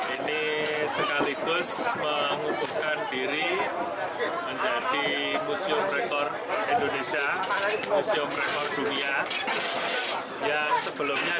ini sekaligus mengukuhkan diri menjadi museum rekor indonesia museum rekor dunia yang sebelumnya